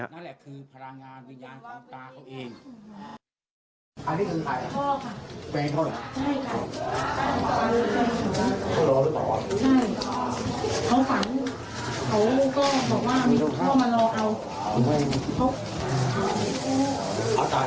นั่นแหละคือพลังงานวิญญาณตาเขาเอง